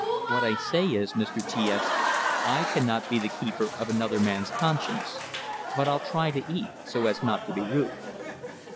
"What I say is, Mr. T S, I cannot be the keeper of another man's conscience. But I'll try to eat, so as not to be rude."